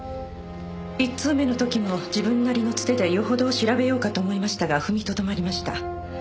１通目の時も自分なりのつてでよほど調べようかと思いましたが踏みとどまりました。